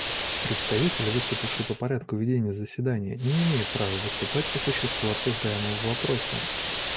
Представитель, выступивший по порядку ведения заседания, не имеет права выступать по существу обсуждаемого вопроса.